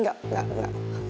gak gak gak